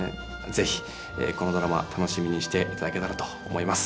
是非このドラマ楽しみにしていただけたらと思います。